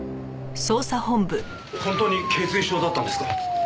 本当に頚椎症だったんですか？